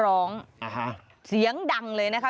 ร้องเสียงดังเลยนะคะ